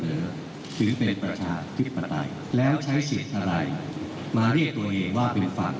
มีประชาธิบัติให้สร้างความแท้แคลียดประชาธิบัติ